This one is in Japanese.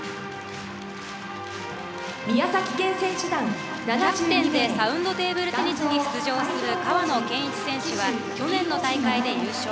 キャプテンでサウンドテーブルテニスに出場する川野健一選手は去年の大会で優勝。